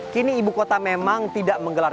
kini ibukota memang tidak menggelar